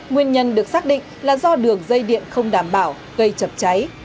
nguyên nhân được xác định là do đường dây điện không đảm bảo gây chập cháy